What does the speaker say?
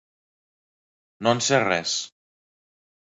No en sé res.